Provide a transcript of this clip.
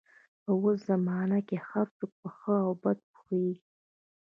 په اوس زمانه کې هر څوک په ښه او بده پوهېږي.